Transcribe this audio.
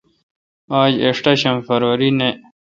آج ایݭٹم فروری نہ۔